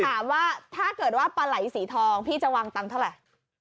ถามว่าถ้าเกิดว่าปลาไหล่สีทองพี่จะวางตังค์เท่าไหร่